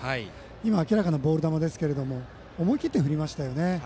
今のは明らかなボール球でしたけれども思い切って振りましたよね。